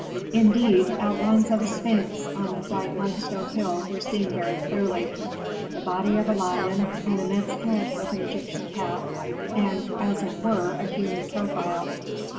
Indeed, outlines of a sphinx on a white limestone hill were seen very clearly. The body of a lion, an immense head with an Egyptian cap, and as it were a human profile.